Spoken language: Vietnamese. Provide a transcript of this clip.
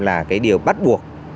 là cái điều bắt buộc